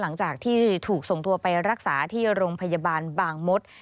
หลังจากที่ถูกส่งตัวไปรักษาที่โรงพยาบาลบางมศ